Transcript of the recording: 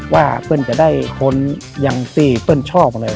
ว่าเพลินจะได้คนอย่างที่เพลินชอบเลย